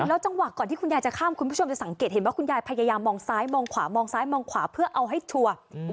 จังหวะก่อนที่คุณยายจะข้ามคุณผู้ชมจะสังเกตเห็นว่าคุณยายพยายามมองซ้ายมองขวามองซ้ายมองขวาเพื่อเอาให้ชัวร์